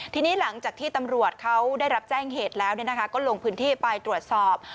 ทีนี้หลังจากที่ตำรวจเขาได้รับแจ้งเหตุแล้วก็ลงพื้นที่ไปตรวจสอบ